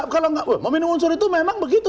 kalau tidak memenuhi unsur itu memang begitu